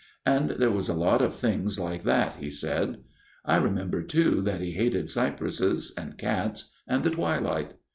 And there was a lot of things like that he said. I remember too that he hated cypresses and cats and the twilight.